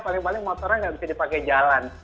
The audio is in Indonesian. paling paling motornya nggak bisa dipakai jalan